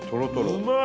うまい！